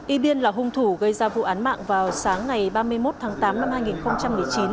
y biên là hung thủ gây ra vụ án mạng vào sáng ngày ba mươi một tháng tám năm hai nghìn một mươi chín